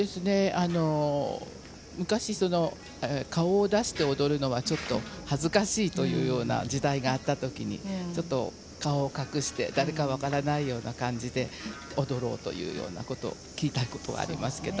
昔、顔を出して踊るのは恥ずかしいというような時代があった時顔を隠して誰か分からないような感じで踊ろうというようなことを聞いたことがありますけど。